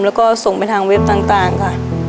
แล้วก็ส่งไปทางเว็บต่างค่ะ